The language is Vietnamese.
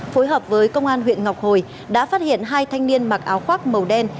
phối hợp với công an huyện ngọc hồi đã phát hiện hai thanh niên mặc áo khoác màu đen